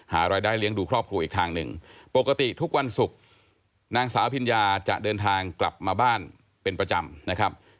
หารายได้เลี้ยงดูครอบครัวอีกทางหนึ่งปกติทุกวันศุกร์นางสาวพิญญาจะเดินทางกลับมาบ้านเป็นประจำนะครับ